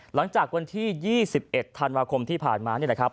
หลังจากวันที่๒๑ธันวาคมที่ผ่านมา